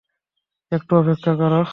একটু অপেক্ষা করো।